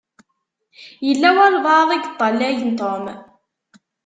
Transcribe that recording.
Yella walebɛaḍ i yeṭṭalayen Tom.